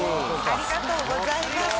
ありがとうございます。